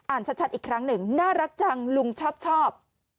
ชัดอีกครั้งหนึ่งน่ารักจังลุงชอบ